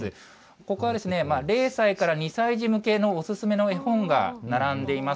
ここは０歳から２歳児向けのお薦めの絵本が並んでいます。